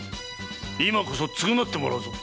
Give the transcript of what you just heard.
今こそ償ってもらうぞ！